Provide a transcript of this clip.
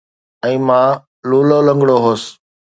۽ مان لولا لنگڙو هوس